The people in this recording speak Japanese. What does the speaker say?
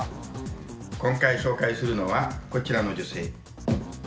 今回紹介するのは、こちらの女性。